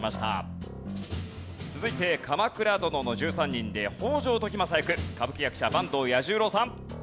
続いて『鎌倉殿の１３人』で北条時政役歌舞伎役者坂東彌十郎さん。